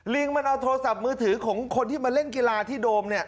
มันเอาโทรศัพท์มือถือของคนที่มาเล่นกีฬาที่โดมเนี่ย